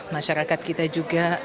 masyarakat kita juga